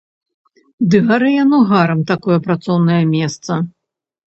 Ды гары яно гарам, такое працоўнае месца!